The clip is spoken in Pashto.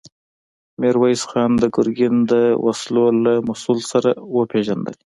ميرويس خان د ګرګين د وسلو له مسوول سره وپېژندل.